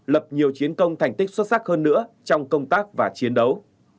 lập nhiều chiến công thành tích xuất sắc hơn nữa trong công tác và chiến đấu